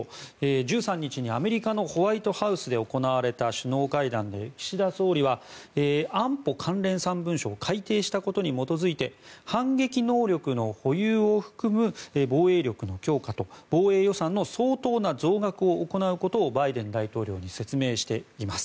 １３日にアメリカのホワイトハウスで行われた首脳会談で岸田総理は安保関連３文書を改定したことに基づいて反撃能力の保有を含む防衛力の強化と防衛予算の相当な増額を行うことをバイデン大統領に説明しています。